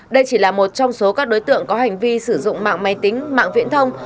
đây chỉ là một trong số các đối tượng có hành vi sử dụng mạng máy tính mạng viễn thông